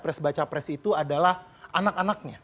pres baca pres itu adalah anak anaknya